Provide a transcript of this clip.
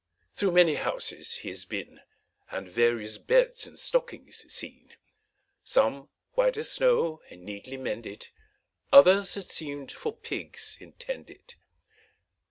Through many houses he has been, And various beds and stockings seen; Some, white as snow, and neatly mended, Others, that seemed for pigs intended.